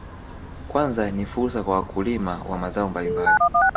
Kwanza ni fursa kwa wakulima wa mazao mbalimbali